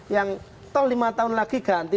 yang toh lima tahun lagi ganti